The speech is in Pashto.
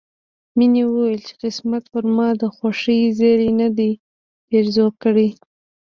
مينې وويل چې قسمت پر ما د خوښۍ زيری نه دی پيرزو کړی